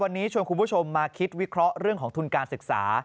วันนี้ชวนคุณผู้ชมมาคิดวิเคราะห์เรื่องของทุนการศึกษา